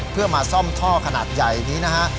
เพื่อมาซ่อมท่อขนาดใหญ่นี้นะฮะ